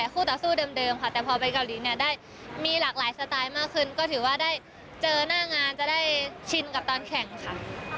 คุณพิวเตอร์คุณพิวเตอร์คุณพิวเตอร์